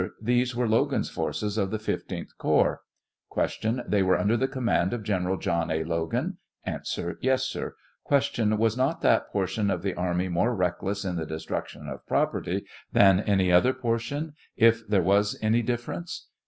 These were Logan's forces of the 15th corps. Q. They were under the command of General John A. Logan? A. Yes, sir. Q. Was not that portion of the army more reckless in the destruction of property than any other portion, if there was any difference